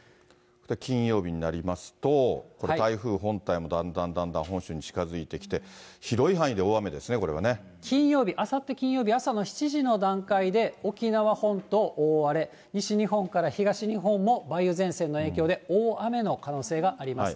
金曜日になりますと、これ、台風本体もだんだんだんだん本州に近づいてきて、金曜日、あさって金曜日朝の７時の段階で、沖縄本島、大荒れ、西日本から東日本も梅雨前線の影響で大雨の可能性があります。